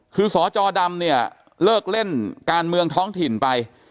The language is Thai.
คือสจดำเนี่ยเลิกเล่นการเมืองท้องถิ่นไป